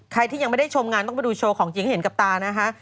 ใครที่ยังไม่ได้ชมงานต้องไปดูโชว์ของจริงให้เห็นกับตานะคะ